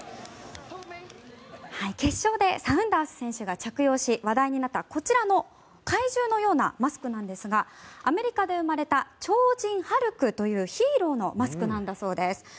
決勝でサウンダース選手が着用し話題になったこちらの怪獣のようなマスクなんですがアメリカで生まれた超人ハルクというヒーローのマスクなんだそうです。